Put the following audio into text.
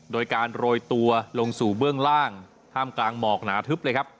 โดยการโรยตัวลงสู่เบื้องล่างท่ามกลางหมอกหนาทึบเลยครับ